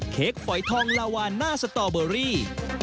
เค้กฝอยทองลาวานหน้าสตอเบอรี่